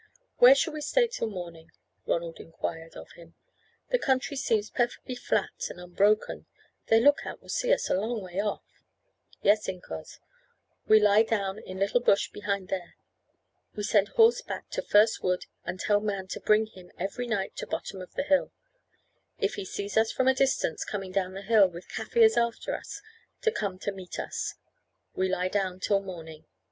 "Where shall we stay till morning?" Ronald inquired of him; "the country seems perfectly flat and unbroken, their look out will see us a long way off." "Yes, incos, we lie down in little bush behind there. We send horse back to first wood and tell man to bring him every night to bottom of the hill, or if he sees us from a distance coming down the hill with Kaffirs after us, to come to meet us. We lie down till morning.